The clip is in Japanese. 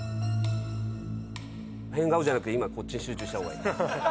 変顔じゃなくて今はこっちに集中した方がいい。